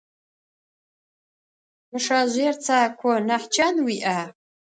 Мы шажъыер цако, нахь чан уиӏа?